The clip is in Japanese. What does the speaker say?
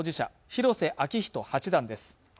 広瀬章人８段です